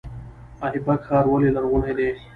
ایبک ښار ولې لرغونی دی؟